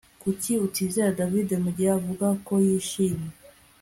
Kuki utizera David mugihe avuga ko yishimye